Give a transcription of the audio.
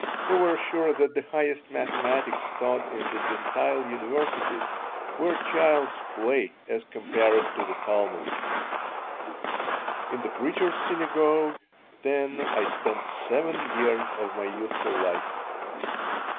We were sure that the highest mathematics taught in the Gentile universities were child's play as compared to the Talmud In the Preacher's Synagogue, then, I spent seven years of my youthful life.